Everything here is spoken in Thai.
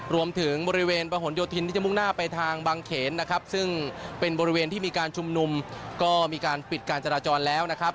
รวมถึงบริเวณประหลโยธินที่จะมุ่งหน้าไปทางบางเขนนะครับซึ่งเป็นบริเวณที่มีการชุมนุมก็มีการปิดการจราจรแล้วนะครับ